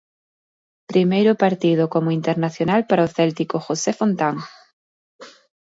Primeiro partido como internacional para o céltico José Fontán.